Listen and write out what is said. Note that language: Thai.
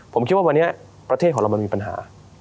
ผมคิดว่าวันนี้ประเทศของเรามันมีปัญหา